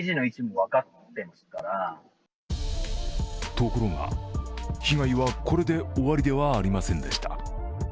ところが、被害はこれで終わりではありませんでした。